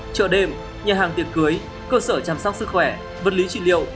chợ đêm nhà hàng tiệc cưới cơ sở chăm sóc sức khỏe vật lý trị liệu